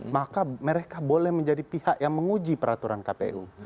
maka mereka boleh menjadi pihak yang menguji peraturan kpu